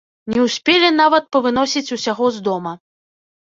Не ўспелі нават павыносіць усяго з дома.